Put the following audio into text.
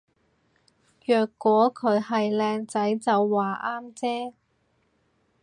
若果佢係靚仔就話啱啫